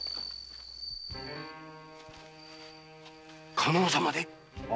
加納様で？